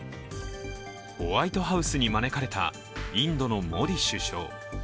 ホワイトハウスに招かれたインドのモディ首相。